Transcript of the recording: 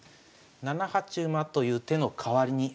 ７八馬という手の代わりに先にですね